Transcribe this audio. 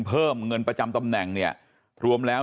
เพิ่มเงินประจำตำแหน่งเนี่ยรวมแล้ว